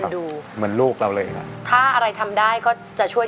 อดเข้าก็ตายขาเจ้าก็ไม่ได้สนากว่า